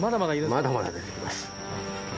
まだまだ出てきます。